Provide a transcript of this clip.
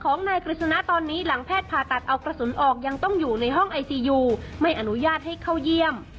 นายกฤษณะตอนนี้หลังแพทย์ผ่าตัดเอากระสุนออกยังต้องอยู่ในห้องไอซียูไม่อนุญาตให้เข้าเยี่ยม